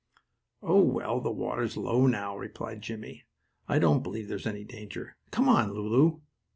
"Oh, well, the water's low now," replied Jimmie. "I don't believe there's any danger. Come on, Lulu."